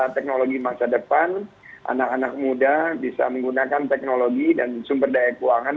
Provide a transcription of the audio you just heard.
teknologi masa depan anak anak muda bisa menggunakan teknologi dan sumber daya keuangan